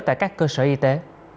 tại các cơ sở y tế